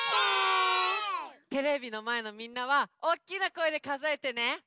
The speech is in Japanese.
テレビのまえのみんなはおっきなこえでかぞえてね！